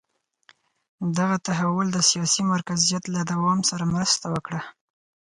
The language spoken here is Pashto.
دغه تحول د سیاسي مرکزیت له دوام سره مرسته وکړه.